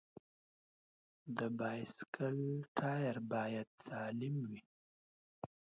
د بایسکل ټایر باید سالم وي.